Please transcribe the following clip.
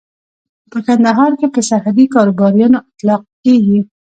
په کندهار کې پر سرحدي کاروباريانو اطلاق کېږي.